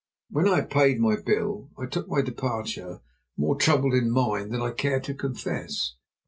When I had paid my bill I took my departure, more troubled in mind than I cared to confess.